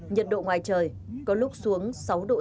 nhiệt độ ngoài trời có lúc xuống sáu độ c